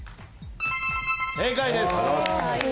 正解です。